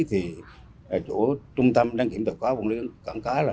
trong việc quản lý trung tâm đăng kiểm tàu và quản lý cảng cá